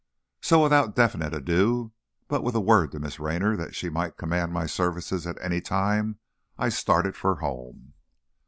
So without definite adieux, but with a word to Miss Raynor that she might command my services at any time, I started for home.